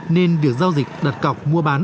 nên việc giao dịch đặt cọc mua bán